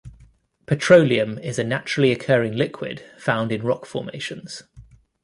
Petroleum is a naturally occurring liquid found in rock formations.